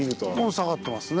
下がってますね。